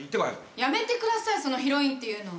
やめてくださいヒロインって言うの。